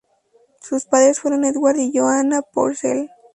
Sus padres fueron Edward y Johanna Purcell.